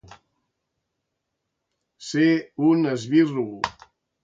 Ser un esbirro.